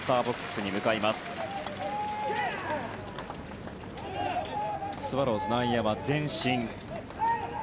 スワローズ、内野は前進。